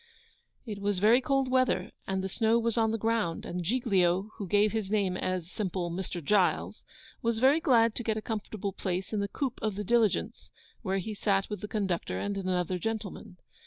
It was very cold weather, and the snow was on the ground, and Giglio, who gave his name as simple Mr. Giles, was very glad to get a comfortable place in the coupe of the diligence, where he sat with the conductor and another gentleman.